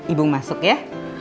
ibu masuk ya